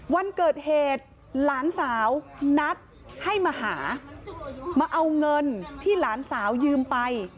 วันเกิดเหตุหลานสาวนัดให้มาหามาเอาเงินที่หลานสาวยืมไป